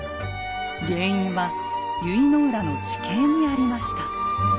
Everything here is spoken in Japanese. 原因は由比浦の地形にありました。